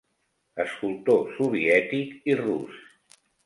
Escultor soviètic i rus.